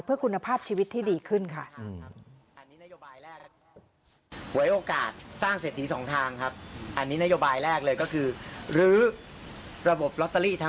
เพื่อคุณภาพชีวิตที่ดีขึ้นค่ะ